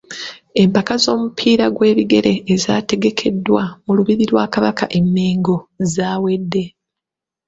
Empaka z’omupiira gw’ebigere ezaategekeddwa mu Lubiri lwa Kabaka e Mengo zaawedde.